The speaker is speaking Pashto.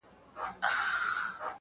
• زه په داسي حال کي -